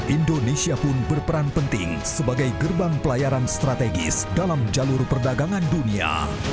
indonesia pun berperan penting sebagai gerbang pelayaran strategis dalam jalur perdagangan dunia